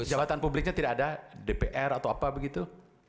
jabatan publiknya tidak ada dpr atau apa begitu